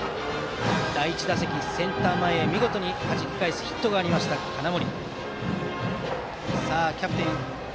第１打席はセンター前に見事にはじき返すヒットがありました、金森。